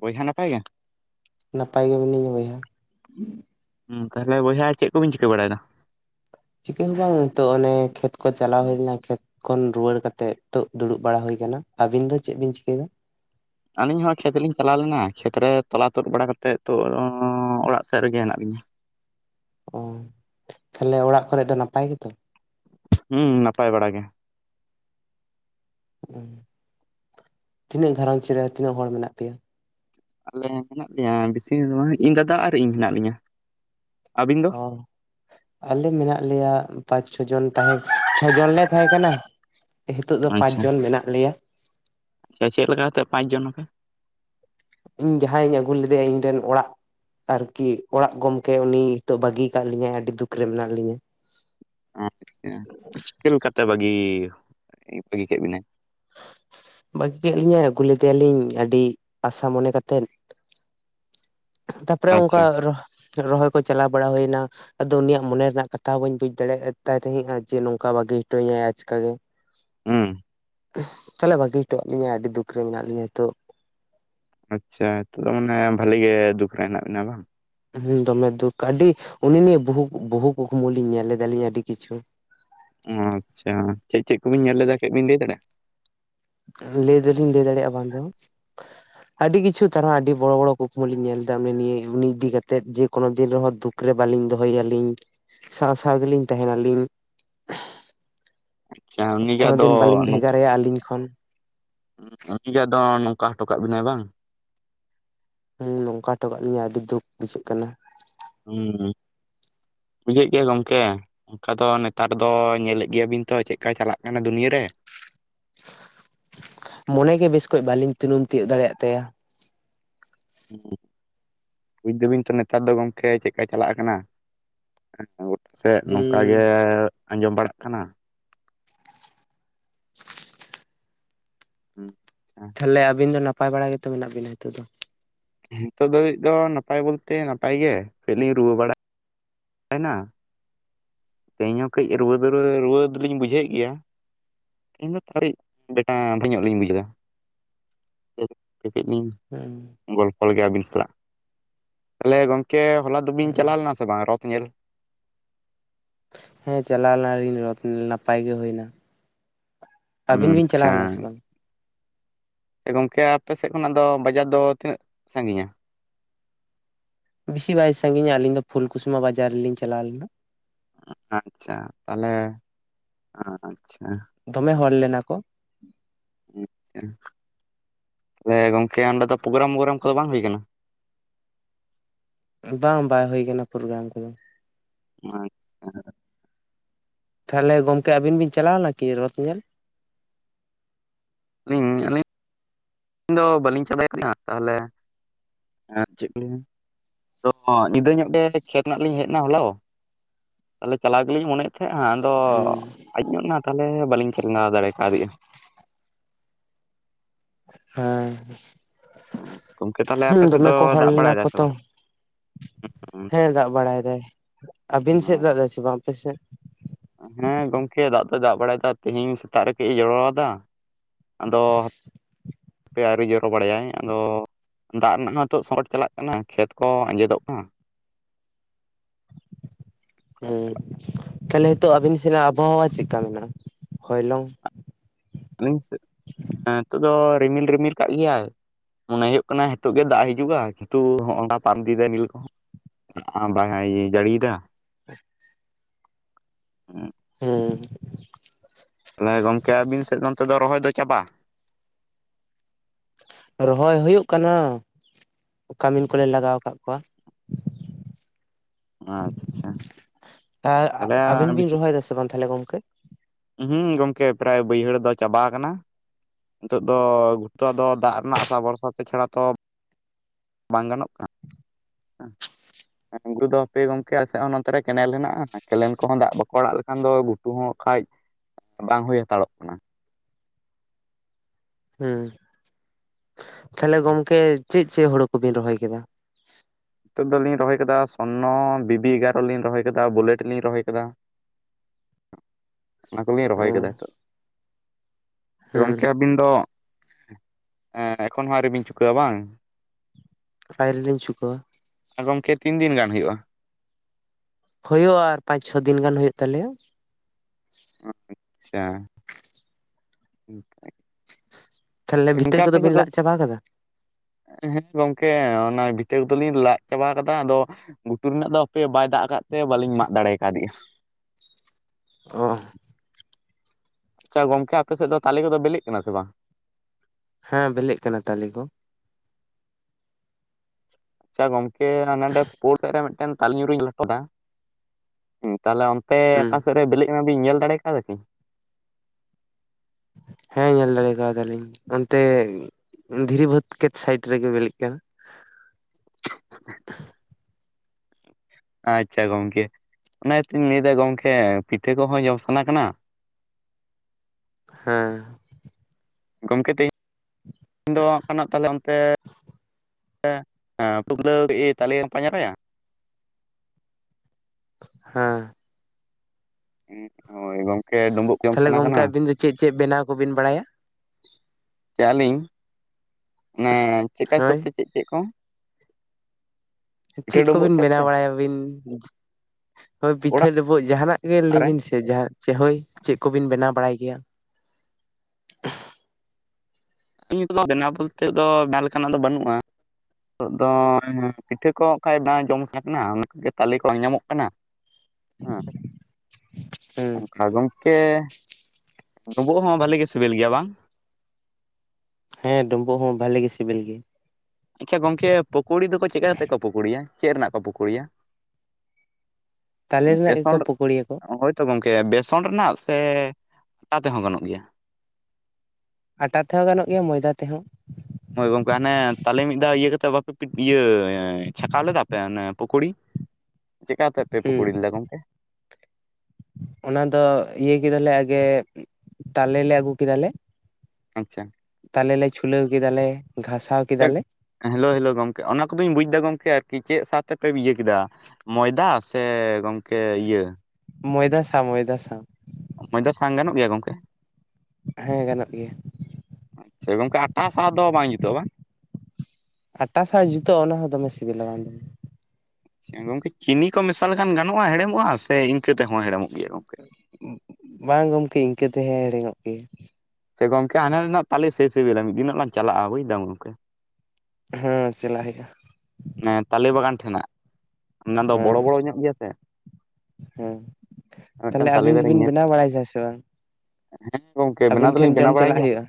ᱵᱚᱭᱦᱟ ᱱᱟᱯᱟᱭ ᱜᱮᱭᱟᱢ? ᱱᱟᱯᱟᱭ ᱜᱮ ᱢᱤᱱᱟᱹᱧᱟ ᱵᱚᱭᱦᱟ᱾ ᱦᱩᱸ ᱛᱟᱦᱚᱞᱮ ᱵᱚᱭᱦᱟ ᱪᱮᱫ ᱠᱚᱵᱤᱱ ᱪᱤᱠᱟᱹ ᱵᱟᱲᱟᱭᱫᱟ? ᱪᱤᱠᱟᱹ ᱦᱚᱸ ᱵᱟᱝ ᱱᱤᱛᱚᱜ ᱚᱱᱮ ᱠᱷᱮᱛ ᱠᱚ ᱪᱟᱞᱟᱣ ᱦᱩᱭ ᱞᱮᱱᱟ᱾ ᱠᱷᱮᱛ ᱠᱷᱚᱱ ᱨᱩᱣᱟᱹᱲ ᱠᱟᱛᱮᱫ ᱱᱤᱛᱚᱜ ᱫᱩᱲᱩᱵ ᱵᱟᱲᱟ ᱦᱩᱭ ᱟᱠᱟᱱᱟ᱾ ᱟᱵᱤᱱ ᱫᱚ ᱪᱮᱫ ᱵᱤᱱ ᱪᱤᱠᱟᱹᱭᱫᱟ? ᱟᱹᱞᱤᱧ ᱦᱚᱸ ᱠᱷᱮᱛ ᱞᱤᱧ ᱪᱟᱞᱟᱣ ᱞᱮᱱᱟ᱾ ᱠᱷᱮᱛ ᱨᱮ ᱛᱚᱞᱟ ᱛᱩᱫ ᱵᱟᱲᱟ ᱠᱟᱛᱮᱫ ᱛᱚᱫ ᱱᱚ ᱚᱲᱟᱜ ᱥᱮᱫ ᱨᱮᱜᱮ ᱦᱮᱱᱟᱜ ᱞᱤᱧᱟ᱾ ᱚ᱾ ᱛᱟᱦᱚᱞᱮ ᱚᱲᱟᱜ ᱠᱚᱨᱮᱫ ᱫᱚ ᱱᱟᱯᱟᱭ ᱜᱮᱛᱚ? ᱦᱩᱸ ᱱᱟᱯᱟᱭ ᱵᱟᱲᱟ ᱜᱮ᱾ ᱚ᱾ ᱛᱤᱱᱟᱹᱜ ᱜᱷᱟᱨᱚᱸᱧ ᱨᱮ ᱛᱤᱱᱟᱹᱜ ᱦᱚᱲ ᱢᱮᱱᱟᱜ ᱯᱮᱭᱟ? ᱟᱞᱮ ᱦᱮᱱᱟᱜ ᱞᱮᱭᱟ ᱵᱮᱥᱤ ᱫᱚ ᱵᱟᱝ ᱤᱧ ᱫᱟᱫᱟ ᱟᱨ ᱤᱧ ᱦᱮᱱᱟᱜ ᱞᱤᱧᱟ᱾ ᱚ᱾ ᱟᱞᱮ ᱢᱮᱱᱟᱜ ᱞᱮᱭᱟ ᱯᱟᱸᱪ ᱪᱷᱚ ᱡᱚᱱ ᱛᱟᱦᱮᱸ ᱪᱷᱚ ᱡᱚᱱ ᱞᱮ ᱛᱟᱦᱮᱸ ᱠᱟᱱᱟ᱾ ᱦᱤᱛᱚᱜ ᱫᱚ ᱯᱟᱸᱪ ᱟᱪᱪᱷᱟ ᱡᱚᱱ ᱢᱮᱱᱟᱜ ᱞᱮᱭᱟ᱾ ᱟᱪᱪᱷᱟ᱾ ᱪᱮᱫ ᱞᱮᱠᱟ ᱠᱟᱛᱮ ᱯᱟᱸᱪ ᱡᱚᱱ ᱱᱟᱯᱮ? ᱤᱧ ᱡᱟᱦᱟᱸᱧ ᱟᱹᱜᱩ ᱞᱮᱫᱮᱭᱟ ᱤᱧ ᱨᱮᱱ ᱚᱲᱟᱜ ᱟᱨᱠᱤ ᱚᱲᱟᱜ ᱜᱚᱢᱠᱮ ᱩᱱᱤ ᱦᱤᱛᱚᱜ ᱵᱟᱹᱜᱤ ᱟᱠᱟᱫ ᱞᱤᱧᱟᱭ ᱟᱹᱰᱤ ᱫᱩᱠ ᱨᱮ ᱢᱮᱱᱟᱜ ᱞᱤᱧᱟ᱾ ᱟᱪᱪᱷᱟ, ᱪᱤᱠᱟᱹ ᱞᱮᱠᱟᱛᱮ ᱵᱟᱹᱜᱤ ᱵᱟᱹᱜᱤ ᱠᱮᱫ ᱵᱮᱤᱱᱟᱹ? ᱵᱷᱟᱹᱜᱤ ᱠᱮᱫ ᱞᱤᱧᱟᱭ ᱟᱹᱜᱩ ᱞᱮᱫᱮᱭᱟᱞᱤᱧ ᱟᱹᱰᱤ ᱟᱥᱟ ᱢᱚᱱᱮ ᱠᱟᱛᱮᱱ᱾ ᱛᱟᱯᱚᱨᱮ ᱚᱱᱠᱟ ᱟᱪᱪᱷᱟ ᱨᱚᱦ ᱨᱚᱦᱚᱭ ᱠᱚ ᱪᱟᱞᱟᱣ ᱵᱟᱲᱟ ᱦᱩᱭᱱᱟ᱾ ᱟᱫᱚ ᱩᱱᱤᱭᱟᱜ ᱢᱚᱱᱮ ᱨᱮᱱᱟᱜ ᱠᱟᱛᱷᱟ ᱦᱚᱸ ᱵᱟᱹᱧ ᱵᱩᱡ ᱫᱟᱲᱮ ᱟᱫ ᱛᱟᱭ ᱛᱟᱦᱮᱸᱜᱼᱟ ᱡᱮ ᱱᱚᱝᱠᱟ ᱵᱟᱹᱜᱤ ᱦᱚᱴᱚᱟᱹᱧᱟᱭ ᱟᱪᱠᱟ ᱜᱮ᱾ ᱦᱮᱸ᱾ ᱛᱟᱦᱚᱞᱮ ᱵᱟᱹᱜᱤ ᱦᱚᱴᱚᱭᱟᱫ ᱞᱤᱧᱟᱹᱭ ᱟᱹᱰᱤ ᱫᱩᱠ ᱨᱮ ᱢᱮᱱᱟᱜ ᱞᱤᱧᱟ ᱦᱤᱛᱚᱜ᱾ ᱟᱪᱪᱷᱟ ᱦᱤᱛᱟᱜ ᱫᱚ ᱢᱟᱱᱮ ᱵᱷᱟᱞᱮ ᱜᱮ ᱫᱩᱠ ᱨᱮ ᱦᱮᱱᱟᱜ ᱵᱤᱱᱟ ᱵᱟᱝ? ᱦᱩ ᱫᱚᱢᱮ ᱫᱩᱠ ᱟᱹᱰᱤ ᱩᱱᱤ ᱱᱤᱭᱮ ᱵᱚᱦᱩ ᱵᱚᱦᱩ ᱠᱩᱠᱢᱩ ᱞᱤᱧ ᱧᱮᱞ ᱞᱮᱫᱟᱞᱤᱧ ᱟᱹᱰᱤ ᱠᱤᱪᱷᱩ᱾ ᱚ ᱟᱪᱪᱷᱟ ᱪᱮᱫ ᱪᱮᱫ ᱠᱚᱵᱤᱱ ᱧᱮᱞ ᱞᱮᱫᱟ ᱠᱟᱹᱡ ᱵᱤᱱ ᱞᱟᱹᱭ ᱫᱟᱲᱮᱜᱼᱟ? ᱞᱟᱹᱭ ᱫᱚᱞᱤᱧ ᱞᱟᱹᱭ ᱫᱟᱲᱮᱭᱟᱜᱼᱟ ᱵᱟᱝ ᱫᱚ ᱵᱟᱝ᱾ [inaudible] ᱟᱹᱰᱤ ᱠᱤᱪᱷᱩ ᱛᱟᱣ ᱨᱮᱦᱚᱸ ᱟᱹᱰᱤ ᱵᱚᱲᱚ ᱵᱚᱲᱚ ᱠᱩᱠᱢᱩ ᱞᱤᱧ ᱧᱮᱞ ᱞᱮᱫᱟ ᱩᱱᱤ ᱱᱤᱭᱟᱹ ᱩᱱᱤ ᱤᱫᱤ ᱠᱟᱛᱮᱫ ᱡᱮ ᱠᱚᱱᱳ ᱫᱤᱱ ᱨᱮᱦᱚᱸ ᱫᱩᱠ ᱠ ᱨᱮ ᱵᱟᱞᱤᱧ ᱫᱚᱦᱚᱭᱟᱞᱤᱧ, ᱥᱟᱶ ᱥᱟᱶ ᱜᱮᱞᱤᱧ ᱛᱟᱦᱮᱱᱟᱞᱤᱧ᱾ ᱟᱪᱪᱷᱟ ᱩᱱᱤ ᱜᱮ ᱠᱳᱱᱳ ᱟᱫᱚ ᱫᱤᱱ ᱵᱟᱹᱞᱤᱧ ᱱᱚ ᱵᱷᱮᱜᱟᱨᱮᱭᱟ ᱟᱹᱞᱤᱧ ᱠᱷᱚᱱ ᱦᱟᱹᱛᱤ ᱜᱮ ᱟᱫᱚ ᱱᱚᱝᱠᱟ ᱦᱚᱴᱚ ᱠᱟᱜ ᱵᱮᱱᱟᱭ ᱵᱟᱝ? ᱦᱩᱸ ᱱᱚᱝᱠᱟ ᱦᱚᱴᱚ ᱠᱟᱜ ᱞᱤᱧᱟᱹ ᱟᱹᱰᱤ ᱫᱩᱠ ᱵᱩᱡᱷᱟᱹᱜ ᱠᱟᱱᱟ᱾ ᱦᱩᱸᱻ ᱵᱩᱡᱷᱟᱹᱜ ᱜᱮᱭᱟ ᱜᱚᱢᱠᱮ᱾ ᱚᱱᱠᱟ ᱫᱚ ᱱᱮᱛᱟᱨ ᱫᱚ ᱧᱮᱞᱮᱫ ᱜᱮᱭᱟᱵᱤᱱ ᱛᱚ ᱪᱮᱫ ᱞᱮᱠᱟ ᱪᱟᱞᱟᱜ ᱠᱟᱱᱟ ᱫᱩᱱᱤᱭᱟᱹ ᱨᱮ᱾ ᱢᱚᱱᱮ ᱜᱮ ᱵᱮᱥ ᱠᱷᱚᱪ ᱵᱟᱞᱤᱧ ᱛᱩᱱᱩᱢ ᱛᱤᱭᱟᱹᱜ ᱫᱟᱲᱮᱭᱟᱜ ᱛᱟᱭᱟ᱾ ᱵᱩᱡ ᱫᱟᱹᱵᱤᱱ ᱛᱚ ᱱᱮᱛᱟᱨ ᱫᱚ ᱜᱚᱢᱠᱮ ᱪᱮᱫᱠᱟ ᱪᱟᱞᱟᱜ ᱠᱟᱱᱟ᱾ ᱦᱮᱸ ᱜᱚᱴᱟ ᱥᱮᱫ ᱱᱚᱝᱠᱟ ᱜᱮ ᱦᱩᱸ ᱟᱸᱡᱚᱢ ᱵᱟᱲᱟᱜ ᱠᱟᱱᱟ᱾ ᱦᱩᱸᱻ ᱟᱪᱪᱷᱟ ᱛᱟᱦᱚᱞᱮ ᱟᱵᱤᱱ ᱫᱚ ᱱᱟᱯᱟᱭ ᱵᱟᱲᱟ ᱜᱮᱛᱚ ᱢᱮᱱᱟᱜ ᱵᱤᱱᱟ ᱱᱤᱛᱚᱜ ᱫᱚ? ᱱᱤᱛᱚᱜ ᱫᱷᱟᱹᱨᱤᱵ ᱫᱚ ᱱᱟᱯᱟᱭ ᱵᱚᱞᱛᱮ ᱱᱟᱯᱟᱭ ᱜᱮ ᱠᱟᱹᱡ ᱞᱤᱧ ᱨᱩᱣᱟᱹ ᱵᱟᱲᱟ ᱮᱱᱟ ᱛᱮᱦᱤᱧ ᱦᱚᱸ ᱠᱟᱹᱡ ᱨᱩᱣᱟᱹ ᱫᱚ ᱨᱩᱣᱟᱹ ᱨᱩᱣᱟᱹ ᱫᱚᱞᱤᱧ ᱵᱩᱡᱷᱟᱹᱣᱮᱫ ᱜᱮᱭᱟ᱾ ᱤᱧ ᱫᱚ ᱛᱟᱨᱤᱡ ᱵᱮᱴᱟᱝ ᱵᱟᱜᱮ ᱧᱚᱜ ᱞᱤᱧ ᱵᱩᱡᱫᱟ [unintelligible] ᱠᱟᱹᱴᱤᱡ ᱞᱤᱧ ᱦᱩᱸ ᱜᱚᱞᱯᱷᱚ ᱞᱮ ᱜᱮ ᱟᱹᱵᱤᱱ ᱥᱟᱞᱟᱜ᱾ ᱛᱟᱦᱚᱞᱮ ᱜᱚᱢᱠᱮ ᱦᱚᱞᱟ ᱫᱚᱵᱤᱱ ᱦᱩᱸ ᱪᱟᱞᱟᱣ ᱞᱮᱱᱟ ᱥᱮ ᱵᱟᱝ ᱨᱚᱛ ᱧᱮᱞ? ᱦᱮᱸ ᱪᱟᱞᱟᱣ ᱞᱮᱱᱟ ᱞᱤᱧ ᱨᱚᱛ ᱧᱮ ᱱᱟᱯᱟᱭ ᱜᱤ ᱦᱩᱭᱱᱟ᱾ ᱟᱵᱤᱱ ᱵᱤᱱ ᱪᱟᱞᱟᱣ ᱞᱮᱱᱟ ᱟᱪᱪᱷᱟ ᱥᱮ ᱵᱟᱝ? ᱮ ᱜᱚᱢᱠᱮ ᱟᱯᱮ ᱥᱮᱫ ᱠᱷᱚᱱᱟᱜ ᱫᱚ ᱵᱟᱡᱟᱨ ᱫᱚ ᱛᱤᱱᱟᱹᱜ ᱥᱟᱺᱜᱤᱧᱼᱟ? ᱵᱮᱥᱤ ᱵᱟᱭ ᱥᱟᱺᱜᱤᱧᱼᱟ ᱟᱞᱤᱧ ᱫᱚ ᱯᱷᱩᱞᱠᱩᱥᱢᱟᱹ ᱵᱟᱡᱟᱨ ᱨᱮᱞᱤᱧ ᱪᱟᱞᱟᱣ ᱞᱮᱱᱟ᱾ ᱟᱪᱪᱷᱟ ᱛᱟᱦᱞᱮ ᱚ ᱟᱪᱪᱷᱟ᱾ ᱫᱚᱢᱮ ᱦᱚᱲ ᱞᱮᱱᱟ ᱠᱚ᱾ ᱟᱪᱪᱷᱟ ᱛᱟᱦᱟᱞᱮ ᱜᱚᱢᱠᱮ ᱚᱸᱰᱮ ᱫᱚ ᱯᱨᱳᱜᱨᱟᱢ ᱢᱳᱜᱨᱟᱢ ᱠᱚ ᱫᱚ ᱵᱟᱝ ᱦᱩᱭ ᱠᱟᱱᱟ? ᱵᱟᱝ ᱵᱟᱭ ᱦᱩᱭ ᱚᱠᱟᱱᱟ ᱯᱨᱳᱜᱨᱟᱢ ᱠᱚ ᱫᱚ᱾ ᱟᱸᱪ ᱛᱟᱦᱚᱞᱮ ᱜᱚᱢᱠᱮ ᱟᱵᱤᱱ ᱵᱤᱱ ᱪᱟᱞᱟᱣᱞᱮᱱᱟ ᱠᱤ ᱨᱚᱛ ᱧᱮᱞ? ᱞᱤᱧ ᱟᱹᱞᱤᱧᱼᱼ ᱤᱧ ᱫᱚ ᱵᱟᱞᱤᱧ [unintelligible] ᱠᱟᱱᱟ ᱛᱟᱦᱚᱞᱮ ᱟᱨ ᱪᱮᱫ ᱠᱚ ᱞᱟᱹᱭ ᱛᱚ ᱧᱤᱫᱟᱹ ᱧᱚᱸᱜᱮ ᱠᱷᱮᱛ ᱨᱮᱱᱟᱜ ᱞᱤᱧ ᱦᱮᱡ ᱮᱱᱟ ᱦᱚᱞᱟᱦᱚ ᱛᱟᱦᱚᱞᱮ ᱪᱟᱞᱟᱣ ᱜᱮᱞᱤᱧ ᱢᱚᱱᱮᱭᱮᱫ ᱛᱟᱦᱮᱸᱜ-ᱟ ᱟᱫᱚ ᱦᱩᱸ ᱟᱹᱣᱩᱵ ᱧᱚᱜ ᱮᱱᱟ ᱛᱟᱦᱚᱞᱮ ᱵᱟᱹᱞᱤᱧ ᱪᱟᱞᱟᱣ ᱫᱟᱲᱮ ᱠᱟᱣᱫᱮᱭᱟ᱾ ᱦᱮᱸ ᱜᱚᱢᱠᱮ ᱛᱟᱦᱚᱞᱮ ᱟᱯᱮ ᱦᱩᱸ ᱥᱮᱫ ᱫᱚᱢᱮ ᱫᱚ ᱠᱚ ᱦᱚᱲ ᱫᱟᱜ ᱞᱮᱱᱟ ᱵᱟᱲᱟᱭ ᱫᱟᱭ ᱠᱚ ᱥᱮ ᱛᱚ ᱵᱟᱝ? ᱦᱮᱸ ᱫᱟᱜ ᱵᱟᱲᱟᱭ ᱫᱟᱭ᱾ᱟᱵᱤᱱ ᱥᱮᱫ ᱫᱟᱜ ᱮᱫᱟᱭ ᱥᱮ ᱵᱟᱝ ᱟᱯᱮ ᱥᱮᱫ? ᱦᱮᱸ ᱜᱚᱢᱠᱮ ᱫᱟᱜ ᱫᱚᱭ ᱫᱟᱜ ᱵᱟᱲᱟᱭᱮᱫᱟ ᱛᱮᱦᱤᱧ ᱥᱮᱛᱟᱜ ᱨᱮ ᱠᱟᱹᱡ ᱮ ᱡᱚᱨᱚ ᱟᱫᱟ᱾ ᱟᱫᱚ ᱦᱟᱯᱮ ᱟᱣᱨᱤ ᱡᱚᱨᱚ ᱵᱟᱲᱟᱭᱟᱭ, ᱟᱫᱚ ᱫᱟᱜ ᱨᱮᱱᱟᱜ ᱦᱚᱸ ᱱᱤᱛᱳᱜ ᱥᱚᱝᱠᱚᱴ ᱪᱟᱞᱟᱜ ᱠᱟᱱᱟ ᱠᱷᱮᱛ ᱠᱚ ᱟᱸᱡᱮᱫᱚᱜ ᱠᱟᱱᱟ᱾ ᱦᱩᱸ [unintelligible] ᱛᱟᱦᱚᱞᱮ ᱱᱤᱛᱚᱜ ᱟᱵᱤᱱ ᱥᱮᱱᱟᱜ ᱟᱵᱚᱦᱟᱣᱟ ᱪᱮᱫᱠᱟ ᱢᱮᱱᱟᱜᱼᱟ ᱦᱚᱭ ᱞᱚᱝ? ᱟᱹᱞᱤᱧ ᱥᱮᱫ ᱦᱮᱸ ᱱᱤᱛᱚᱜ ᱫᱚ ᱨᱤᱢᱤᱞ ᱨᱤᱢᱤᱞ ᱠᱟᱜ ᱜᱮᱭᱟᱭ᱾ ᱢᱚᱱᱮ ᱦᱩᱭᱩᱜ ᱠᱟᱱᱟ ᱦᱤᱛᱚᱜ ᱜᱮ ᱫᱟᱜ ᱦᱤᱡᱩᱜᱼᱟ, ᱠᱤᱱᱛᱩ ᱦᱚᱸᱜ-ᱚᱝᱠᱟ ᱯᱟᱨᱚᱢ ᱤᱫᱤᱭ ᱫᱟᱭ ᱨᱤᱢᱤᱞ ᱠᱚᱦᱚᱸ ᱾ ᱫᱟᱜ ᱦᱟᱸᱜ ᱵᱟᱝᱟᱭ ᱡᱟᱲᱤᱭᱫᱟ ᱾ ᱦᱩᱸ ᱛᱟᱦᱚᱞᱮ ᱜᱚᱢᱠᱮ ᱟᱵᱤᱱ ᱥᱮᱫ ᱚᱱᱛᱮ ᱫᱚ ᱨᱚᱦᱚᱭ ᱫᱚ ᱪᱟᱵᱟ? ᱨᱚᱦᱚᱭ ᱦᱳᱭᱳᱜ ᱠᱟᱱᱟ᱾ ᱠᱟᱢᱤᱱ ᱠᱚᱞᱮ ᱞᱟᱜᱟᱣ ᱠᱟᱜ ᱠᱚᱣᱟ᱾ ᱟᱪᱪᱷᱟ ᱟᱪᱪᱷᱟ ᱛᱟᱦᱚᱞᱮ ᱮᱜ ᱟᱵᱤᱱ ᱵᱤᱱ ᱵᱮᱥᱤ ᱨᱚᱦᱚᱭ ᱫᱟ ᱥᱮ ᱵᱟᱝ ᱛᱟᱦᱞᱮ ᱜᱚᱝᱠᱮ? ᱦᱩᱸ ᱜᱚᱝᱠᱮ ᱯᱨᱟᱭ ᱵᱟᱹᱭᱦᱟᱹᱲ ᱫᱚ ᱪᱟᱵᱟ ᱟᱠᱟᱱᱟ᱾ ᱱᱤᱛᱚᱜ ᱫᱚ ᱜᱷᱩᱴᱠᱟ ᱫᱚ ᱫᱟᱜ ᱨᱮᱱᱟᱜ ᱟᱥᱟ ᱵᱷᱚᱨᱥᱟ ᱛᱮ ᱪᱷᱟᱲᱟ ᱛᱚ᱾ ᱵᱟᱝ ᱜᱟᱱᱚᱜ ᱠᱟᱱᱟ, ᱮ ᱜᱩᱨᱩ ᱫᱚ ᱦᱟᱯᱮ ᱜᱚᱝᱠᱮ ᱟᱥᱮᱫ ᱦᱚᱸ ᱱᱚᱛ ᱨᱮ ᱠᱮᱱᱮᱞ ᱦᱮᱱᱟᱜᱼᱟ, ᱠᱮᱱᱮᱞ ᱠᱚᱦᱚᱸ ᱫᱟᱜ ᱵᱟᱠᱚ ᱟᱲᱟᱜ ᱞᱮᱠᱷᱟᱱ ᱫᱚ ᱜᱷᱩᱴᱩ ᱦᱚᱸ ᱟᱠᱷᱟᱡ᱾ ᱵᱟᱝ ᱦᱩᱭ ᱦᱟᱛᱟᱲᱚᱜ ᱠᱟᱱᱟ, ᱦᱩᱸ ᱛᱟᱦᱚᱞᱮ ᱜᱚᱝᱠᱮ ᱪᱮᱫ ᱪᱮᱫ ᱦᱩᱲᱩ ᱠᱚᱵᱤᱱ ᱨᱚᱦᱚᱭ ᱠᱮᱫᱟ, ᱧᱤᱛᱚᱜ ᱫᱚᱞᱤᱧ ᱨᱚᱦᱚᱭ ᱟᱠᱟᱟ ᱥᱚᱨᱱᱚ, ᱵᱤ ᱵᱤ ᱮᱜᱟᱨᱚ ᱞᱤᱧ ᱨᱚᱦᱚᱭ ᱟᱠᱟᱫᱟ ᱵᱩᱞᱮᱴ ᱞᱤᱧ ᱨᱚᱦᱚᱭ ᱠᱟᱫᱟ, ᱚᱱᱟ ᱠᱚᱞᱤᱧ ᱨᱚᱦᱚᱭ ᱦᱮᱸ ᱠᱟᱟᱚ ᱜᱚᱝᱠᱮ ᱟᱹᱵᱤᱱ ᱫᱚ ᱮᱠᱷᱚᱱ ᱦᱚᱸ ᱟᱣᱨᱤᱵᱤᱱ ᱪᱩᱠᱟᱹᱣᱟ ᱵᱟᱝ ᱟᱣᱨᱤᱞᱤᱧ ᱪᱷᱩᱠᱟᱹᱣᱟ᱾ ᱜᱚᱢᱠᱮ ᱛᱤᱱ ᱫᱤᱱ ᱜᱟᱱ ᱦᱩᱭᱩᱜᱼᱟ ᱦᱩᱭᱩᱜᱼᱟ ᱟᱨ ᱯᱟᱸᱪ ᱪᱷᱚ ᱫᱤᱱ ᱜᱟᱱ ᱦᱩᱭᱩᱜ ᱛᱟᱞᱮᱭᱟ᱾ ᱟᱪᱪᱷᱟ ᱛᱟᱦᱚᱞᱮ ᱜᱚᱝᱠᱮ ᱵᱷᱤᱛᱟᱹ ᱟᱯᱮ ᱠᱚᱫᱚ ᱥᱮᱫ ᱵᱤᱱ ᱫᱚ ᱞᱟᱫ ᱪᱟᱵᱟ ᱠᱟᱫᱟ᱾ ᱦᱮᱸ ᱜᱚᱝᱠᱮ ᱚᱱᱟ ᱵᱤᱴᱟᱹ ᱠᱚᱫᱚᱞᱤᱧ ᱞᱟᱫ ᱪᱟᱵᱟ ᱠᱟᱫᱟ ᱟᱫᱚ ᱜᱷᱩᱴᱩ ᱨᱮᱱᱟᱜ ᱫᱚ ᱟᱯᱮ ᱵᱟᱭ ᱫᱟᱜ ᱟᱠᱟᱫ ᱛᱮ ᱵᱟᱝᱞᱤᱧ ᱢᱟᱜ ᱫᱟᱲᱮ ᱟᱠᱟᱫᱮᱭᱟ᱾ ᱚ ᱟᱪᱪᱷᱟ ᱜᱚᱢᱠᱮ ᱟᱯᱮᱥᱮᱫ ᱫᱚ ᱛᱟᱞᱮ ᱠᱚᱫᱚ ᱵᱤᱞᱤ ᱠᱟᱱᱟ ᱥᱮ ᱵᱟᱝ᱾ ᱦᱮᱸ ᱵᱤᱞᱤᱜ ᱠᱟᱱᱟ ᱛᱟᱞᱮ ᱠᱚ ᱟᱪᱪᱷᱟ ᱜᱚᱝᱠᱮ ᱱᱚᱰᱮ ᱯᱳᱞ ᱥᱮᱫ ᱨᱮ ᱢᱤᱫᱴᱮᱱ ᱛᱟᱞ ᱧᱩᱨᱩᱦᱴᱩᱧ [inaudible] ᱛᱟᱦᱚᱞᱮ ᱚᱱᱛᱮ ᱦᱩᱸ ᱚᱠᱟ ᱥᱮᱫ ᱨᱮ ᱵᱤᱞᱤᱜ ᱮ ᱵᱤᱱ ᱧᱮᱞ ᱫᱟᱲᱮ ᱠᱟᱫᱟ ᱠᱤᱱ᱾ ᱦᱮᱸ ᱧᱮᱞ ᱫᱟᱲᱮ ᱠᱟᱣᱫᱟᱞᱤᱧ ᱚᱱᱛᱮ ᱫᱷᱤᱨᱤ ᱵᱷᱟᱹᱛ ᱠᱷᱮᱛ ᱥᱟᱭᱤᱰ ᱨᱮᱜᱮ ᱵᱤᱞᱤᱜ ᱠᱟᱱᱟ᱾ [unintelligible] ᱟᱪᱪᱷᱟ ᱜᱚᱢᱠᱮ ᱚᱱᱟᱛᱤᱧ ᱞᱟᱹᱭᱫᱟ ᱜᱚᱝᱠᱮ ᱯᱤᱴᱷᱟᱹ ᱠᱚᱦᱚᱸ ᱡᱚᱢ ᱥᱟᱱᱟ ᱠᱟᱱᱟ ᱦᱮᱸ ᱜᱚᱢᱠᱮ ᱛᱮᱦᱧ ᱫᱚ ᱛᱟᱦᱮ ᱚᱱᱛᱮ [unintelligible] ᱦᱮᱸ [unintelligible] ᱡᱚᱢ ᱛᱟᱞᱦᱮ ᱥᱟᱱᱟ ᱜᱚᱝᱠᱮ ᱠᱟᱱᱟ ᱟᱵᱤᱱ ᱫᱚ ᱪᱮᱫ ᱪᱮᱫ ᱵᱮᱱᱟᱣ ᱠᱚᱵᱤᱱ ᱵᱟᱲᱟᱭᱟ᱾ ᱪᱮᱫ ᱟᱹᱞᱤᱧ ᱮ ᱪᱮᱫᱠᱟ ᱦᱤᱥᱟᱹᱵ ᱦᱳᱭ ᱛᱮ ᱪᱮᱫ ᱪᱮᱫ ᱠᱚ᱾ ᱪᱮᱫ ᱯᱤᱴᱷᱟᱹ ᱰᱩᱸᱵᱩᱜ ᱠᱚᱵᱤᱱ ᱥᱮᱫ ᱵᱮᱱᱟᱣ ᱛᱮ ᱵᱟᱲᱟᱭᱟᱵᱤᱱ ᱦᱳᱭ ᱯᱤᱴᱷᱟᱹ ᱚᱲᱟᱜ ᱰᱩᱵᱩᱜ ᱡᱟᱦᱟᱱᱟᱜ ᱜᱮ ᱞᱟᱹᱭ ᱨᱮ ᱵᱤᱱ᱾ ᱡᱟᱦᱟᱸ ᱦᱳᱭ ᱪᱮᱫ ᱠᱚᱵᱤᱱ ᱵᱮᱱᱟᱣ ᱵᱟᱲᱟᱭ ᱜᱮᱭᱟ᱾ ᱱᱤᱛ ᱫᱚ ᱵᱮᱱᱟᱣ ᱵᱚᱞᱛᱮ ᱫᱚ ᱚᱱᱟ ᱞᱮᱠᱟᱱᱟᱜ ᱫᱚ ᱵᱟᱹᱱᱩᱜᱼᱟ ᱱᱤᱛᱚᱜ ᱫᱚ ᱯᱤᱴᱷᱟᱹ ᱠᱚ ᱠᱷᱟᱡ ᱵᱟᱝ ᱡᱚᱢ ᱮᱱᱟ ᱠᱚᱜᱮ ᱛᱟᱞᱮ ᱠᱚ ᱵᱟᱝ ᱧᱟᱢᱚᱜ ᱠᱟᱱᱟ᱾ [unintelligible] ᱦᱩᱸ ᱟ ᱜᱚᱢᱠᱮ ᱰᱩᱵᱩᱜ ᱦᱚᱸ ᱵᱷᱟᱞᱤ ᱜᱮ ᱥᱤᱵᱤᱞ ᱜᱮᱭᱟ ᱵᱟᱝ ᱦᱮᱸ ᱰᱩᱸᱵᱩᱜ ᱦᱚᱸ ᱵᱟᱜᱞᱤ ᱜᱮ ᱥᱤᱵᱤᱞ ᱜᱮᱭᱟ ᱟᱪᱪᱷᱟ ᱜᱚᱝᱠᱮ ᱯᱚᱠᱳᱲᱤ ᱫᱚᱠᱚ ᱪᱮᱠᱟ ᱠᱟᱛᱮᱫ ᱠᱚ ᱯᱚᱠᱳᱲᱤᱭᱟ ᱪᱮᱫ ᱨᱮᱱᱟᱜ ᱠᱚ ᱯᱚᱠᱳᱲᱤᱭᱟ ᱛᱟᱞᱮ ᱨᱮᱱᱟᱜ ᱯᱮᱥᱚᱱᱴ ᱜᱮᱠᱚ ᱯᱚᱠᱳᱲᱤᱭᱟᱠᱚ [inaudible] ᱛᱚ ᱜᱚᱝᱠᱮ ᱵᱮᱥᱚᱱ ᱨᱮᱱᱟᱜ ᱥᱮ ᱟᱴᱟ ᱛᱮᱦᱚᱸ ᱜᱟᱱᱚᱜ ᱜᱮᱭᱟ ᱟᱴᱟ ᱛᱮᱦᱚᱸ ᱜᱟᱱᱚᱜ ᱜᱮᱭᱟ ᱢᱚᱭᱫᱟ ᱛᱮᱦᱚᱸ ᱦᱳᱭ ᱜᱚᱝᱠᱮ ᱦᱟᱱᱮ ᱛᱟᱦᱚᱞᱮ ᱢᱤᱫ ᱫᱷᱟᱣ ᱤᱭᱟᱹ ᱠᱟᱛᱮᱮᱫ ᱵᱟᱯᱮ ᱤᱭᱟᱹ ᱪᱷᱟᱸᱠᱟᱣ ᱞᱮᱫᱟᱯᱮ ᱚᱱᱮ ᱯᱚᱠᱳᱲᱤ ᱪᱮᱠᱟᱛᱮ ᱠᱟᱛᱮᱫ ᱯᱮ ᱦᱩᱸ ᱯᱚᱠᱳᱲᱤ ᱞᱮᱫᱟ ᱜᱚᱝᱠᱮ? ᱚᱱᱟ ᱫᱚ ᱤᱭᱟᱹ ᱠᱮᱫᱟᱞᱮ ᱟᱜᱮ ᱛᱟᱞᱮ ᱞᱮ ᱟᱹᱜᱩ ᱠᱮᱫᱟᱞᱮ᱾ ᱟᱪᱪᱷᱟ᱾ ᱛᱟᱞᱮ ᱞᱮ ᱪᱷᱩᱞᱟᱹᱣ ᱠᱮᱫᱟᱞᱮ, ᱜᱷᱟᱥᱟᱣ ᱡᱟᱠ ᱠᱮᱫᱟᱞᱮ᱾ ᱦᱮᱞᱳ ᱦᱮᱞᱳ ᱜᱚᱢᱠᱮ ᱚᱱᱟ ᱠᱚᱫᱚᱧ ᱵᱩᱡᱫᱟ ᱜᱚᱢᱠᱮ ᱟᱨᱠᱤ ᱪᱮᱫ ᱥᱟᱶᱛᱮᱯᱮ ᱤᱭᱟᱹ ᱠᱮᱫᱟ? ᱢᱚᱭᱫᱟ ᱥᱮ ᱜᱚᱝᱠᱮ ᱤᱭᱟᱹ? ᱢᱚᱭᱫᱟ ᱥᱟᱶ ᱢᱚᱭᱫᱟ ᱥᱟᱶ᱾ ᱢᱚᱭᱫᱟ ᱥᱟᱝ ᱜᱟᱱᱚᱜ ᱜᱮᱭᱟ ᱜᱚᱝᱠᱮ? ᱦᱮᱸ ᱜᱟᱱᱚᱜ ᱜᱮᱭᱟ᱾ ᱟᱪᱪᱷᱟ ᱜᱚᱝᱠᱮ ᱟᱴᱟ ᱥᱟᱸᱶ ᱫᱚ ᱵᱟᱝ ᱡᱩᱛᱚᱜ-ᱟ ᱵᱟᱝ? ᱟᱴᱟᱟᱥ ᱥᱟᱸᱶ ᱡᱩᱛᱚ-ᱟ ᱚᱱᱟ ᱦᱚᱸ ᱫᱚᱢᱮ ᱥᱤᱵᱤᱞᱟ ᱵᱟᱝ ᱫᱚ ᱵᱟᱝ᱾ ᱥᱮ ᱜᱚᱝᱠᱮ ᱪᱤᱱᱤ ᱠᱚ ᱢᱮᱥᱟ ᱞᱮᱠᱷᱟᱱ ᱜᱟᱱᱚᱜ-ᱟ, ᱦᱮᱲᱮᱢᱚᱜ-ᱟ ᱥᱮ ᱤᱱᱠᱟᱹ ᱛᱮᱦᱚᱸ ᱦᱮᱲᱢᱚᱜ ᱜᱮᱭᱟ ᱜᱚᱝᱠᱮ? ᱩᱸᱜ ᱵᱟᱝ ᱜᱚᱢᱠᱮ ᱤᱱᱠᱟᱹ ᱛᱮᱦᱮ ᱦᱮᱲᱮᱧᱚᱸᱜ ᱜᱮᱭᱟ᱾ ᱥᱮ ᱜᱚᱝᱠᱮ ᱦᱟᱱᱮ ᱨᱮᱱᱟᱜ ᱛᱟᱞᱮ ᱥᱮᱭ ᱥᱮᱵᱮᱞᱟ ᱢᱤᱫ ᱫᱤᱱᱚᱜ ᱞᱟᱝ ᱪᱟᱞᱟᱜ-ᱟ, ᱵᱩᱡᱽ ᱫᱟᱢ ᱜᱚᱝᱠᱮ? ᱦᱚᱸ ᱪᱟᱞᱟᱜ ᱦᱩᱭᱩᱜᱼᱟ᱾ ᱚᱱᱮ ᱛᱟᱞᱮ ᱵᱟᱜᱟᱱ ᱴᱷᱮᱱᱟᱜ, ᱚᱱᱟ ᱫᱚ ᱦᱮᱸ ᱵᱚᱲᱚ ᱵᱚᱲᱚ ᱧᱚᱸᱜ ᱜᱮᱭᱟ ᱥᱮ᱾ ᱦᱮᱸ᱾ ᱛᱟᱦᱞᱮ ᱟᱹᱵᱤᱱ ᱫᱩᱵᱤᱱ ᱵᱮᱱᱟᱣ ᱵᱟᱲᱟᱭ ᱫᱟᱭ ᱥᱮ ᱵᱟᱝ? ᱦᱮᱸ ᱜᱚᱝᱠᱮ ᱵᱮᱱᱟᱣ ᱟᱹᱵᱤᱱ ᱴᱷᱮᱱ ᱫᱚᱞᱤᱧ ᱵᱮᱱᱟᱣ ᱡᱚᱢ ᱵᱟᱲᱟᱭ ᱪᱟᱞᱟᱜ ᱜᱮᱭᱟ᱾ ᱦᱩᱭᱩᱜᱼᱟ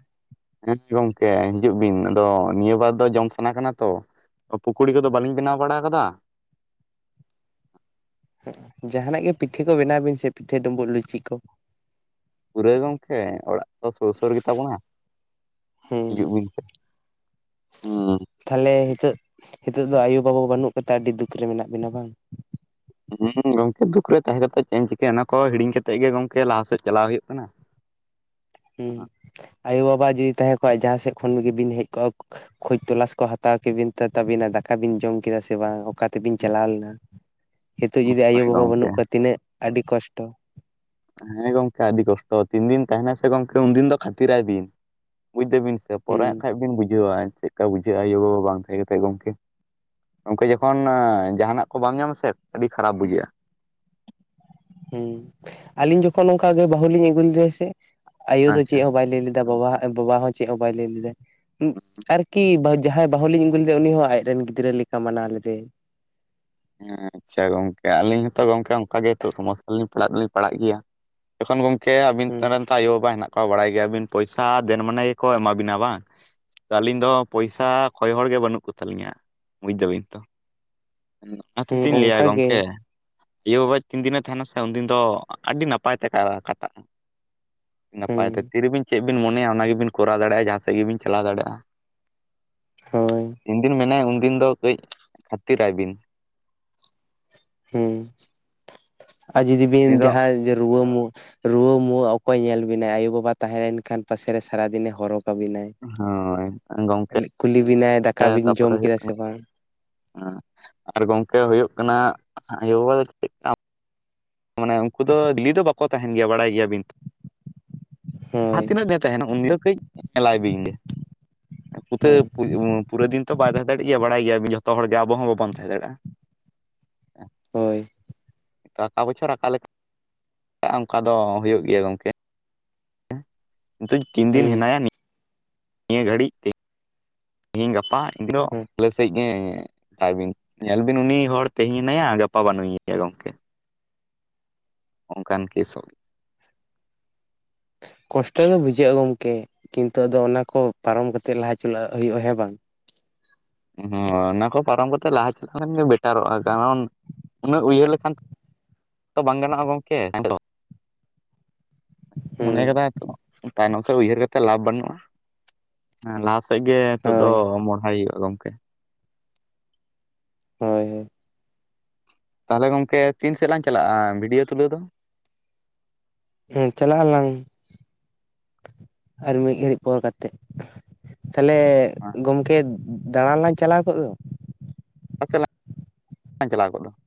ᱦᱮᱸ ᱜᱚᱝᱠᱮ ᱦᱤᱡᱩᱜ ᱵᱤᱱ ᱟᱫᱚ ᱱᱤᱭᱟᱹ ᱵᱟᱨ ᱫᱚ ᱡᱚᱢ ᱥᱟᱱᱟ ᱠᱟᱱᱟ ᱛᱚ᱾ ᱯᱳᱠᱳᱲᱤ ᱠᱚᱫᱚ ᱵᱟᱞᱤᱧ ᱵᱮᱱᱟᱣ ᱵᱟᱲᱟᱮ ᱠᱟᱫᱟ᱾ ᱡᱟᱦᱟᱱᱟᱜ ᱜᱮ ᱯᱤᱴᱷᱟᱹ ᱠᱚ ᱵᱮᱱᱟᱣ ᱵᱤᱱ ᱥᱮ, ᱯᱤᱴᱷᱟᱹ ᱰᱸᱩᱢᱵᱩᱜ ᱞᱩᱪᱤ ᱠᱚ᱾ ᱯᱩᱨᱟᱹ ᱜᱚᱝᱠᱮ ᱚᱲᱟᱜ ᱛᱚ ᱥᱳᱨ ᱥᱳᱟ ᱜᱮᱛᱟ ᱵᱚᱱᱟ, ᱦᱤᱡᱩᱜ ᱵᱤᱱ᱾ ᱦᱩᱸ᱾ ᱛᱟᱦᱞᱮ ᱦᱤᱛᱚᱜ, ᱦᱤᱛᱚᱜ ᱫᱚ ᱟᱭᱩ-ᱵᱟᱵᱟ ᱵᱟᱹᱱᱩᱜ ᱠᱚᱛᱮ ᱟᱹᱰᱤ ᱫᱩᱠ ᱨᱮ ᱢᱮᱱᱟᱜ ᱵᱤᱱᱟ ᱵᱟᱝ? ᱦᱩᱸ ᱜᱚᱝᱠᱮ ᱫᱩᱠ ᱨᱮ ᱛᱟᱦᱮᱸ ᱠᱟᱛᱮᱜ ᱪᱮᱫ ᱮᱢ ᱪᱤᱠᱟᱹᱭ ᱚᱱᱟ ᱠᱚ ᱦᱤᱲᱤᱧ ᱠᱟᱛᱮᱜ ᱜᱮ ᱜᱚᱝᱠᱮ ᱞᱟᱦᱟᱥᱮᱫ ᱪᱟᱞᱟᱣ ᱦᱩᱭᱩᱜ ᱠᱟᱱᱟ᱾ ᱦᱩᱸ᱾ ᱟᱭᱳ-ᱵᱟᱵᱟ ᱡᱩᱫᱤ ᱛᱟᱦᱮᱸ ᱠᱚᱜ-ᱟᱭ ᱡᱟᱦᱟᱸ ᱥᱮᱫ ᱠᱷᱚᱱ ᱜᱮ ᱵᱤᱱ ᱦᱮᱡ ᱠᱚᱜᱼᱟ ᱠᱷᱳᱡᱽ ᱛᱚᱞᱟᱥ ᱠᱚ ᱦᱟᱛᱟᱣ ᱠᱮᱵᱤᱱ ᱛᱮ ᱛᱟᱵᱤᱱᱟ ᱫᱟᱠᱟ ᱵᱤᱱ ᱡᱚᱢ ᱠᱮᱫᱟ ᱥᱮ ᱵᱟᱝ, ᱚᱠᱟ ᱛᱮᱵᱤᱱ ᱪᱟᱞᱟᱣ ᱞᱮᱱᱟ᱾ ᱦᱤᱛᱳᱜ ᱡᱩᱫᱤ ᱦᱳᱭ ᱟᱭᱳ-ᱵᱟᱵᱟ ᱜᱚᱝᱠᱮ ᱵᱟᱹᱱᱩᱜ ᱠᱚᱣᱟ ᱛᱤᱱᱟᱹᱜ ᱟᱹᱰᱤ ᱠᱚᱥᱴᱚ᱾ ᱦᱮᱸ ᱜᱚᱝᱠᱮ ᱟᱹᱰᱤ ᱠᱚᱥᱴᱚ᱾ ᱛᱤᱱ ᱫᱤᱱ ᱛᱟᱦᱮᱱᱟᱭ ᱥᱮ ᱜᱚᱝᱠᱮ ᱩᱱᱫᱤᱱ ᱫᱚ ᱠᱷᱟᱛᱤᱨᱟᱭ ᱵᱤᱱ᱾ ᱵᱩᱡᱽ ᱫᱟᱹᱵᱤᱱ ᱥᱮ ᱯᱚᱨᱮ ᱦᱸᱟᱜ ᱦᱩᱸ ᱠᱷᱟᱡᱽ ᱵᱤᱱ ᱵᱩᱡᱷᱟᱹᱣᱟ ᱪᱮᱫ ᱠᱟ ᱵᱩᱡᱷᱟᱹᱜ-ᱟ ᱟᱭᱳ-ᱵᱟᱵᱟ ᱵᱟᱝ ᱛᱟᱦᱮᱸ ᱠᱟᱛᱮᱜ ᱜᱚᱝᱠᱮ᱾ ᱜᱚᱝᱠᱮ ᱡᱚᱠᱷᱚᱱ ᱟ ᱡᱟᱦᱟᱱᱟᱜ ᱠᱚ ᱵᱟᱢ ᱧᱟᱢᱟ ᱥᱮ ᱟᱹᱰᱤ ᱠᱷᱟᱨᱟᱯ ᱵᱩᱡᱷᱟᱹᱜ-ᱟ᱾ ᱦᱩᱸ᱾ ᱟᱞᱤᱧ ᱡᱚᱠᱷᱚᱱ ᱱᱚᱝᱠᱟ ᱜᱮ ᱵᱟᱹᱦᱩ ᱞᱤᱧ ᱟᱹᱜᱩ ᱞᱮᱫᱮᱭᱟ ᱥᱮ, ᱟᱭᱳ ᱫᱚ ᱟᱪᱪᱷᱟ ᱪᱮᱫ ᱦᱚᱸ ᱵᱟᱭ ᱞᱟᱹᱭ ᱞᱮᱫᱟ ᱵᱟᱵᱟᱣᱟᱜᱼᱼ ᱟᱨ ᱵᱟᱵᱟ ᱦᱚᱸ ᱪᱮᱫ ᱦᱚᱸ ᱵᱟᱭ ᱞᱟᱹᱭ ᱞᱮᱫᱟᱭ ᱟᱨ-ᱼ ᱠᱤ ᱵᱟᱦᱩ ᱡᱟᱦᱟᱸᱭ ᱵᱟᱦᱩᱞᱤᱧ ᱟᱹᱜᱩ ᱞᱮᱫᱮᱭᱟ ᱩᱱᱤ ᱦᱚᱸ ᱟᱡᱽ ᱨᱮᱱ ᱜᱤᱫᱽᱨᱟᱹ ᱞᱮᱠᱟ ᱢᱟᱱᱟᱣ ᱞᱮᱫᱮᱭᱟᱭ᱾ ᱦᱮᱸ ᱟᱪᱪᱷᱟ ᱜᱚᱝᱠᱮ ᱟᱞᱤᱧ ᱦᱚᱸᱛᱚ ᱜᱚᱝᱠᱮ ᱚᱝᱠᱟ ᱜᱮ ᱦᱤᱛᱳᱜ ᱥᱚᱢᱚᱥᱥᱟ ᱨᱮᱞᱤᱝ ᱯᱟᱲᱟᱜ ᱫᱚᱞᱤᱧ ᱯᱟᱲᱟᱜ ᱜᱮᱭᱟ᱾ ᱡᱚᱠᱷᱚᱱ ᱜᱚᱝᱠᱮ ᱟᱹᱵᱤᱱ ᱦᱩᱸ ᱛᱚᱨᱮᱱ ᱛᱚ ᱟᱭᱳᱼᱵᱟᱵᱟ ᱦᱮᱱᱟᱜ ᱠᱚᱣᱟ ᱵᱟᱲᱟᱭ ᱜᱮᱭᱟᱵᱤᱱ ᱯᱚᱭᱥᱟ ᱫᱮᱱ ᱢᱟᱱᱮ ᱜᱮᱠᱚ ᱮᱢᱟ ᱵᱤᱱᱟ ᱵᱟᱝ? ᱛᱚ ᱟᱹᱞᱤᱧ ᱫᱚ ᱯᱚᱭᱥᱟ ᱠᱷᱚᱭ ᱦᱚᱲ ᱜᱮ ᱵᱟᱹᱱᱩᱜ ᱠᱚ ᱛᱟᱞᱤᱧᱟ ᱵᱩᱡᱽ ᱫᱟᱵᱤᱱ ᱛᱚ᱾ ᱚᱱᱟ ᱦᱚᱛᱮᱫ ᱦᱮᱸ ᱛᱤᱧ ᱞᱟᱹᱭᱟ ᱚᱱᱠᱟ ᱜᱮ ᱜᱚᱝᱠᱮ ᱭᱳ ᱵᱟᱵ ᱛᱤᱱ ᱫᱤᱱᱮ ᱛᱟᱦᱮᱱᱟ ᱥᱮ ᱩᱱᱫᱤᱱ ᱫᱚ ᱟᱹᱰᱤ ᱱᱟᱯᱟᱭ ᱛᱮ ᱠᱟᱭᱨᱟ ᱠᱟᱴᱟᱜ-ᱟ᱾ ᱦᱮᱸ ᱱᱟᱯᱟᱭ ᱛᱮ ᱛᱤᱨᱮᱵᱤᱱ ᱪᱮᱫ ᱵᱤᱱ ᱢᱚᱱᱮᱭᱟ ᱚᱱᱟ ᱜᱮᱵᱤᱱ ᱠᱚᱨᱟᱣ ᱫᱟᱲᱮᱭᱟᱜ-ᱟ, ᱡᱟᱦᱟᱸ ᱥᱮᱫ ᱜᱮᱵᱤᱱ ᱪᱟᱞᱟᱣ ᱫᱟᱲᱮᱭᱟᱜᱼᱟ᱾ ᱦᱳᱭ ᱛᱤᱱ ᱫᱤᱱ ᱢᱮᱱᱟᱭᱟ ᱩᱱᱫᱤᱱ ᱫᱚ ᱠᱟᱹᱡᱽ ᱠᱷᱟᱹᱛᱤᱨᱟᱭ ᱵᱤᱱ᱾ ᱦᱩᱸ ᱟᱨ ᱡᱩᱫᱤ ᱵᱤᱱ ᱩᱱᱤ ᱫᱚ ᱡᱟᱦᱟᱭ ᱨᱩᱣᱟᱹ ᱢᱩᱣᱟᱹᱼᱼ ᱨᱩᱣᱟᱹ-ᱢᱩᱣᱟᱹ ᱚᱠᱚᱭ ᱧᱮᱞ ᱵᱤᱱᱟᱭ ᱟᱭᱳ ᱵᱟᱵᱟ ᱛᱟᱦᱮᱸ ᱞᱮᱱ ᱠᱷᱟᱱ ᱯᱟᱥᱮᱨᱮ ᱥᱟᱨᱟᱫᱤᱱᱮ ᱦᱚᱨᱦᱚ ᱠᱟᱵᱤᱱᱟᱭ᱾ ᱦᱳᱭ ᱛᱚᱝ ᱜᱚᱝᱠᱮ ᱠᱩᱞᱤ ᱵᱤᱱᱟᱭ ᱫᱟᱠᱟ ᱵᱤᱱ ᱡᱚᱢ ᱠᱮᱫᱟ ᱥᱮ ᱵᱟᱝ᱾ ᱟᱸ ᱟᱨ ᱜᱚᱝᱠᱮ ᱦᱩᱭᱩᱜ ᱠᱟᱱᱟ ᱟᱭᱳ ᱵᱟᱵᱟ ᱫᱚ ᱟᱱ [unintelligible] ᱢᱟᱱᱮ ᱩᱝᱠᱩ ᱫᱚ ᱰᱤᱞᱤ ᱫᱚ ᱵᱟᱠᱚ ᱛᱟᱦᱮᱱ ᱜᱮᱭᱟ ᱵᱟᱲᱟᱭ ᱜᱮᱭᱟ ᱵᱤᱱ ᱛᱚ ᱡᱟᱦᱟᱸ ᱦᱳᱭ ᱛᱤᱱᱟᱹᱜ ᱫᱤᱱ ᱛᱟᱦᱮᱱᱟ ᱩᱱ ᱫᱤᱱ ᱫᱚ ᱠᱟᱹᱡᱽ ᱮ ᱧᱮᱞᱟᱭ ᱵᱤᱱ ᱜᱮ ᱯᱩᱛᱟᱹ ᱦᱳᱭ ᱯᱩ ᱩᱸ ᱯᱩᱨᱟᱹ ᱫᱤᱱ ᱛᱚ ᱵᱟᱭ ᱛᱟᱦᱮᱸ ᱫᱟᱲᱮᱜ ᱜᱮᱭᱟ ᱵᱟᱲᱟᱭ ᱜᱮᱭᱟ ᱵᱤᱱ ᱡᱷᱚᱛᱚ ᱦᱚᱲ ᱜᱮ ᱟᱵᱚ ᱦᱚᱸ ᱵᱟᱵᱚᱱ ᱛᱟᱦᱮᱸ ᱫᱟᱲᱮᱭᱟᱜᱼᱟ᱾ ᱦᱳᱭ ᱾ ᱟᱵᱚ ᱪᱷᱟᱲᱟ ᱚᱠᱟᱞᱮᱠᱟ ᱚᱝᱠᱟ ᱫᱚ ᱦᱩᱭᱩᱜ ᱜᱮᱭᱟ ᱜᱚᱝᱠᱮ ᱾ ᱱᱤᱛᱚᱜ ᱛᱤᱱ ᱫᱤᱱ ᱦᱮᱸ ᱦᱮᱱᱟᱭᱟ ᱱᱤᱜ ᱱᱤᱭᱟᱹ ᱜᱷᱟᱹᱲᱤᱡᱽ ᱛᱮ ᱾ ᱛᱮᱦᱮᱧ ᱜᱟᱯᱟ ᱤᱫᱽᱨᱚᱜ ᱦᱮᱸ ᱟᱞᱮ ᱥᱮᱫ ᱜᱮ ᱮᱸᱼᱼ ᱟᱨᱵᱤᱱ ᱧᱮᱞ ᱵᱤᱱ ᱩᱱᱤ ᱦᱚᱲ ᱛᱮᱦᱮᱧ ᱦᱮᱱᱟᱭᱟ ᱜᱟᱯᱟ ᱵᱟᱹᱱᱩᱜ ᱮᱭᱟ ᱜᱚᱝᱠᱮ ᱾ ᱚᱝᱠᱟᱱ ᱠᱮᱥᱚᱜ ᱠᱚᱥᱴᱚ ᱫᱚ ᱵᱩᱡᱷᱟᱹᱜᱼᱟ ᱜᱚᱢᱠᱮ ᱠᱤᱱᱛᱩ ᱟᱫᱚ ᱚᱱᱟ ᱠᱚ ᱯᱟᱨᱚᱢ ᱠᱟᱛᱮᱜ ᱞᱟᱦᱟ ᱪᱟᱞᱟᱜ ᱦᱩᱭᱩᱜᱼᱟ ᱦᱮᱸ ᱵᱟᱝ ᱾ ᱦᱚᱸ ᱚᱱᱟ ᱠᱚ ᱯᱟᱨᱚᱢ ᱠᱟᱛᱮᱜ ᱞᱟᱦᱟ ᱪᱟᱞᱟᱱ ᱜᱮ ᱵᱮᱴᱟᱨᱚᱜᱼᱟ ᱠᱟᱨᱚᱱ ᱩᱱᱟᱹᱜ ᱩᱭᱦᱟᱹᱨ ᱞᱮᱠᱷᱟᱱ ᱛᱚ ᱵᱟᱝ ᱜᱟᱱᱚᱜᱼᱟ ᱜᱚᱝᱠᱮ ᱦᱮᱞᱳ ᱾ ᱦᱮᱸ ᱢᱚᱱᱮ ᱠᱟᱫᱟᱭ ᱛᱚ ᱛᱟᱭᱱᱚᱢ ᱥᱮᱫ ᱩᱭᱦᱟᱹᱨ ᱠᱟᱛᱮᱫ ᱞᱟᱵᱷᱽ ᱵᱟᱹᱱᱩᱜᱼᱟ ᱾ ᱦᱮᱸ ᱞᱟᱦᱟ ᱥᱮᱫ ᱜᱮ ᱱᱤᱛᱚᱜ ᱫᱚ ᱦᱳᱭ ᱢᱚᱦᱰᱟᱭ ᱦᱩᱭᱩᱜᱼᱟ ᱜᱚᱝᱠᱮ ᱾ ᱦᱳᱭ ᱦᱳᱭ ᱾ ᱛᱟᱦᱞᱮ ᱜᱚᱝᱠᱮ ᱛᱤᱱ ᱥᱮᱫ ᱞᱟᱝ ᱪᱟᱞᱟᱜᱼᱟ ᱵᱷᱤᱰᱭᱳ ᱛᱩᱞᱟᱹᱣ ᱫᱚ? ᱦᱩᱸ ᱪᱟᱞᱟᱜ ᱟᱞᱟᱝ ᱾ ᱟᱨ ᱢᱤᱫ ᱜᱷᱟᱹᱲᱤᱡ ᱯᱚᱨ ᱠᱟᱛᱮ ᱛᱟᱦᱞᱮ ᱚᱠᱟ ᱜᱚᱢᱠᱮ ᱫᱟᱬᱟᱱ ᱞᱟᱝ ᱪᱟᱞᱟᱣ ᱠᱚᱜ ᱫᱚ ᱾ ᱚᱠᱟ ᱥᱮᱫ ᱞᱟᱝ [inaudible] ᱪᱟᱞᱟᱣ ᱠᱚᱜ ᱫᱚ ᱾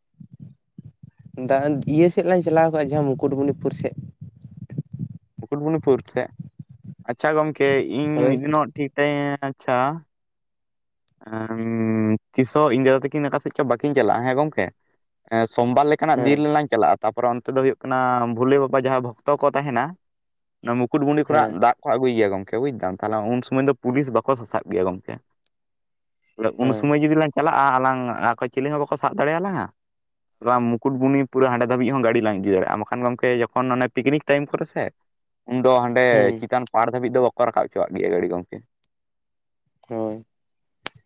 ᱫᱟ ᱤᱭᱟᱹ ᱥᱮᱫ ᱞᱟᱝ ᱪᱟᱞᱟᱣ ᱠᱚᱜᱼᱟ ᱡᱟᱦᱟᱸ ᱢᱩᱠᱩᱴᱢᱩᱱᱤᱯᱩᱨ ᱥᱮᱫ ᱾ ᱢᱩᱠᱩᱴᱢᱩᱱᱤᱯᱩᱨ ᱥᱮᱫ ᱟᱪᱪᱷᱟ ᱜᱚᱢᱠᱮ ᱤᱧ ᱦᱳᱭ ᱢᱤᱫ ᱫᱤᱱᱚᱜ ᱴᱷᱤᱠ ᱴᱟ ᱟᱪᱪᱷᱟ ᱾ ᱛᱤᱥᱚᱜ ᱦᱚᱸ ᱤᱧ ᱫᱟᱫᱩ ᱛᱟᱹᱠᱤᱱ ᱚᱠᱟ ᱥᱮᱫ ᱪᱚ ᱵᱟᱹᱹᱠᱤᱱ ᱪᱟᱞᱟᱜᱼᱟ ᱦᱮᱸ ᱜᱚᱢᱠᱮ ᱮ ᱥᱚᱢᱵᱟᱨ ᱞᱮᱠᱟᱱᱟᱜ ᱦᱮᱸ ᱫᱤᱱ ᱨᱮᱞᱟᱝ ᱪᱟᱞᱟᱜᱼᱟ᱾ ᱛᱟᱯᱚᱨᱮ ᱚᱱᱛᱮ ᱫᱚ ᱦᱩᱭᱩᱜ ᱠᱟᱱᱟ ᱵᱷᱳᱞᱮ ᱵᱟᱵᱟ ᱡᱟᱦᱟᱸ ᱵᱷᱚᱠᱛᱚ ᱠᱚ ᱛᱟᱦᱮᱱᱟ ᱾ ᱚᱱᱟ ᱢᱩᱠᱩᱴᱢᱩᱱᱤ ᱠᱷᱚᱱᱟᱜ ᱦᱮᱸ ᱫᱟᱜ ᱠᱚ ᱟᱹᱜᱩᱭ ᱜᱮᱭᱟ ᱜᱚᱢ ᱜᱚᱢᱠᱮ ᱵᱩᱡ ᱫᱟᱢ ᱛᱟᱦᱞᱮ ᱩᱱ ᱥᱚᱢᱚᱭ ᱫᱚ ᱯᱩᱞᱤᱥ ᱵᱟᱠᱚ ᱥᱟᱥᱟᱵ ᱜᱮᱭᱟ ᱜᱚᱢᱠᱮ ᱩᱱ ᱦᱮᱸ ᱥᱚᱢᱚᱭ ᱡᱩᱫᱤ ᱞᱟᱝ ᱪᱟᱞᱟᱜᱼᱟ ᱟᱞᱟᱝ ᱚᱠᱚᱭ ᱪᱤᱞᱤ ᱦᱚᱸ ᱵᱟᱠᱚ ᱥᱟᱵ ᱫᱟᱲᱮᱭᱟᱞᱟᱝᱟ ᱾ ᱢᱩᱠᱩᱴᱢᱩᱱᱤ ᱯᱩᱨᱟᱹ ᱦᱟᱸᱰᱮ ᱫᱷᱟᱹᱵᱤᱡ ᱦᱚᱸ ᱜᱟᱹᱰᱤ ᱞᱟᱝ ᱤᱫᱤ ᱫᱟᱲᱮᱭᱟᱜᱼᱟ ᱵᱟᱠᱷᱟᱱ ᱜᱚᱢᱠᱮ ᱡᱚᱠᱷᱚᱱ ᱚᱱᱮ ᱯᱤᱠᱱᱤᱠ ᱴᱟᱣᱤᱢ ᱠᱚᱨᱮ ᱥᱮ ᱩᱱᱫᱚ ᱦᱟᱸᱰᱮ ᱦᱮᱸ ᱪᱮᱛᱟᱱ ᱯᱟᱲ ᱫᱷᱟᱹᱵᱤᱡ ᱫᱚ ᱵᱟᱠᱚ ᱨᱟᱠᱟᱵ ᱦᱚᱪᱚᱣᱟᱜ ᱜᱮᱭᱟ ᱜᱟᱹᱲᱤ ᱜᱚᱢᱠᱮ᱾ ᱦᱳᱭ ᱾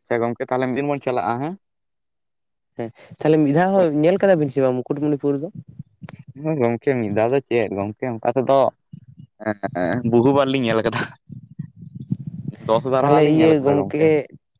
ᱥᱮ ᱜᱚᱢᱠᱮ ᱛᱟᱦᱞᱮ ᱢᱤᱫ ᱫᱤᱱ ᱵᱚᱱ ᱪᱟᱞᱟᱜᱼᱟ ᱦᱮᱸ ᱾ ᱦᱮᱸ ᱛᱟᱦᱞᱮ ᱢᱤᱫ ᱫᱷᱟᱣ ᱦᱚᱸ ᱧᱮᱞ ᱠᱟᱫᱟ ᱵᱤᱱ ᱥᱮ ᱵᱟᱝ ᱢᱩᱠᱩᱴᱢᱩᱱᱤᱯᱩᱨ ᱫᱚ? ᱦᱮᱸ ᱜᱚᱢᱠᱮ ᱢᱤᱫ ᱫᱷᱟᱣ ᱫᱚ ᱪᱮᱫ ᱜᱚᱢᱠᱮ ᱚᱱᱠᱟ ᱛᱮᱫᱚ ᱦᱮᱸ ᱵᱩᱦᱩ ᱵᱟᱨ ᱞᱤᱧ ᱧᱮᱞ ᱟᱠᱟᱫᱟ ᱫᱚᱥ ᱵᱟᱨᱚ ᱛᱟᱦᱚᱞᱮ ᱵᱟᱨ ᱞᱤᱧ ᱤᱭᱟᱹ ᱧᱮᱞ ᱠᱟᱫᱟ ᱜᱚᱢᱠᱮ᱾ ᱜᱚᱝᱠᱮ